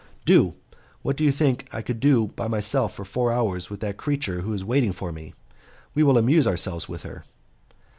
"Do. What do you think I could do by myself for four hours with that creature who is waiting for me? We will amuse ourselves with her."